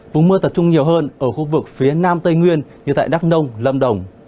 vùng mưa tập trung nhiều hơn ở khu vực phía nam tây nguyên như tại đắk nông lâm đồng